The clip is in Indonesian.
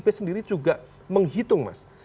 pdip sendiri juga menghitung